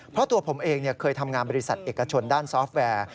เพราะตัวผมเองเคยทำงานบริษัทเอกชนด้านซอฟต์แวร์